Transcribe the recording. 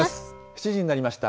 ７時になりました。